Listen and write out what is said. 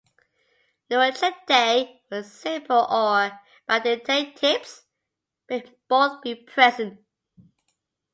Neurochaetae with simple or bidentate tips may both be present.